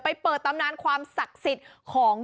เปิดตำนานความศักดิ์สิทธิ์ของ